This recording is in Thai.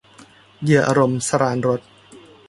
เหยื่ออารมณ์ - สราญรส